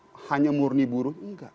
kalau udah hanya murni buruh enggak